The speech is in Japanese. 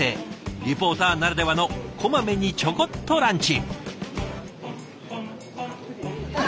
リポーターならではのこまめにちょこっとランチ。